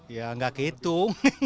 ya nggak kehitung